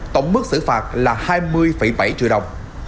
tổng mức xử phạt là hai mươi bảy triệu đồng